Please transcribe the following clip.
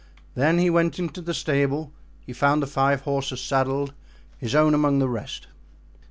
Then he went into the stable; he found the five horses saddled, his own amongst the rest.